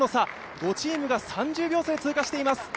５チームが３秒差で通過しております。